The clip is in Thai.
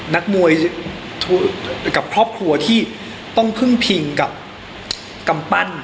นักมวยกับครอบครัวที่ต้องพึ่งพิงกับกำปั้น